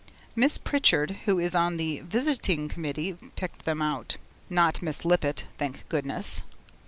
Miss Pritchard, who is on the visiting committee, picked them out not Mrs. Lippett, thank goodness.